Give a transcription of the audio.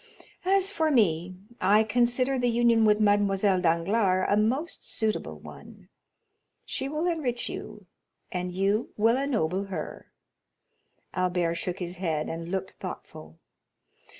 As for me, I consider the union with Mademoiselle Danglars a most suitable one; she will enrich you, and you will ennoble her." Albert shook his head, and looked thoughtful.